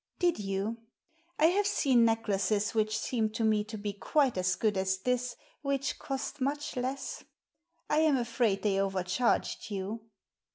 " Did you ? I have seen necklaces which seemed to me to be quite as good as this, which cost much less. I am afraid they overcharged you."